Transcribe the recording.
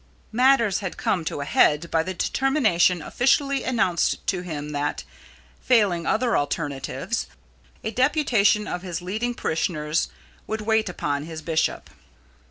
Matters had come to a head by the determination officially announced to him that, failing other alternatives, a deputation of his leading parishioners would wait upon his bishop.